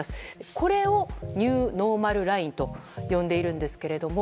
これをニューノーマルラインと呼んでいるんですけれども。